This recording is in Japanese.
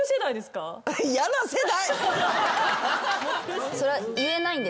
嫌な世代。